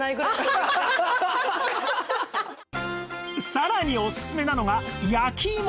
さらにおすすめなのが焼きいも